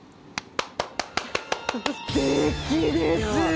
すてきです！